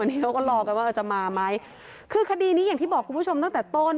นี่เขาก็รอกันว่าจะมาไหมคือคดีนี้อย่างที่บอกคุณผู้ชมตั้งแต่ต้น